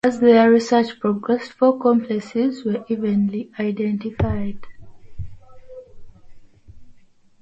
As their research progressed four complexes were eventually identified.